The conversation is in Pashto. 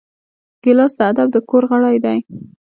ګیلاس د ادب د کور غړی دی.